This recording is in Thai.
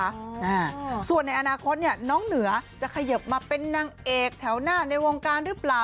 อ่าส่วนในอนาคตเนี่ยน้องเหนือจะเขยิบมาเป็นนางเอกแถวหน้าในวงการหรือเปล่า